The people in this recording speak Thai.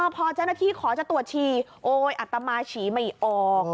พอเจ้าหน้าที่ขอจะตรวจฉีออิอาตามาร์ฉีไม่ออก